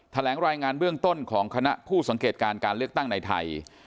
แถลงรายงานเบื้องต้นของคณะผู้สังเกตการการเลือกตั้งในไทย